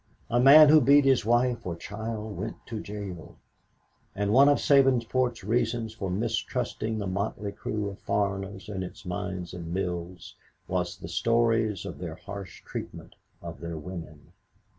A man who beat his wife or child went to jail, and one of Sabinsport's reasons for mistrusting the motley group of foreigners in its mines and mills was the stories of their harsh treatment of their women.